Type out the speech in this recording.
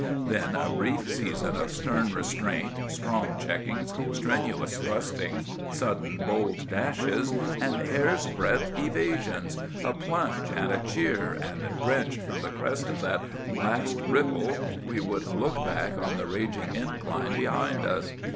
Then a brief season of stern restraint, strong checkings, strenuous thrustings, sudden bold dashes, and hair's breadth evasions—a plunge and a cheer, and, drenched from the crest of that last "ripple," we would look back on the raging incline behind us.